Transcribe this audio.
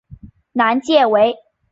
南界为。